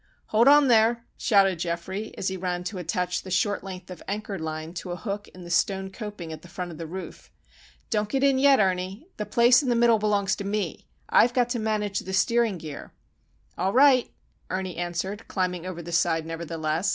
"Hold on there," shouted Geoffrey, as he ran to attach the short length of anchor line to a hook in the stone coping at the front of the roof. "Don't get in yet, Ernie. The place in the middle belongs to me. I've got to manage the steering gear." "All right," Ernie answered, climbing over the side, nevertheless.